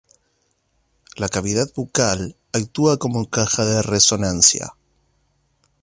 La cavidad bucal actúa como caja de resonancia.